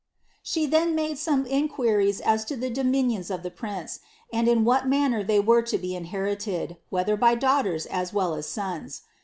' She then made some inquiries as to the dominions of the princ< in what manner they were to be inherited, whether by daugbti well as sons.